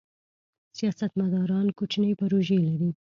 سیاستمداران کوچنۍ پروژې لري.